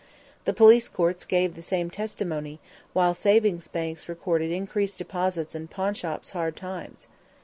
The police courts gave the same testimony, while savings banks recorded increased deposits and pawnshops hard times.